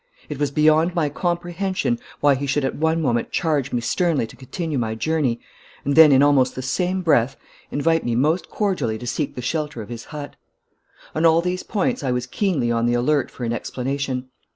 It was beyond my comprehension why he should at one moment charge me sternly to continue my journey, and then, in almost the same breath, invite me most cordially to seek the shelter of his hut. On all these points I was keenly on the alert for an explanation.